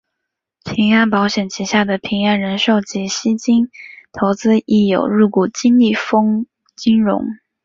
平安保险旗下的平安人寿及西京投资亦有入股金利丰金融。